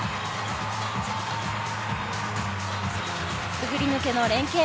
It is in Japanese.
くぐり抜けの連係。